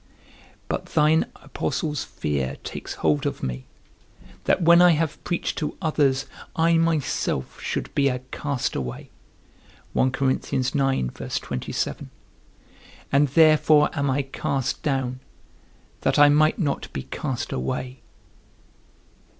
But thine apostle's fear takes hold of me, that when I have preached to others, I myself should be a castaway; and therefore am I cast down, that I might not be cast away.